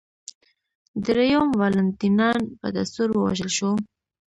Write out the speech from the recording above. درېیم والنټینیان په دستور ووژل شو